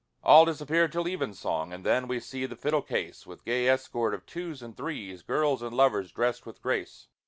All disappear till evensong, And then we see the fiddle case, With gay escort of twos and threes, Girls and their lovers drest with grace.